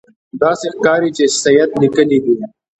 داسې ښکاري چې سید لیکلي دي.